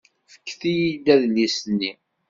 Fket-iyi-d adlis-nni.